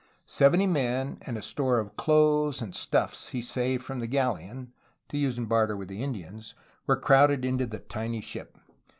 Seventy men and a store of clothes and stuffs saved from the gal leon (to use in barter with the Indians) were crowded into the tiny ship.